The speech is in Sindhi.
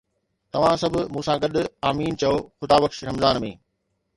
توهان سڀ مون سان گڏ "آمين" چئو، خدا بخش! رمضان ۾